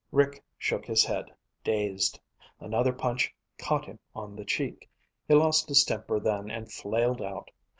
Rick shook his head, dazed. Another punch caught him on the cheek. He lost his temper then and flailed out.